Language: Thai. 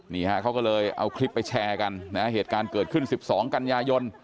นี่ฮะเขาก็เลยเอาคลิปไปแชร์กันนะฮะเหตุการณ์เกิดขึ้น๑๒กันยายน